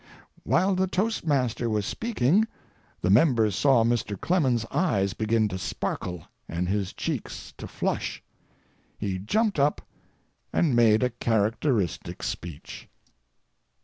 While the toastmaster was speaking, the members saw Mr. Clemens's eyes begin to sparkle and his cheeks to flush. He jumped up, and made a characteristic speech.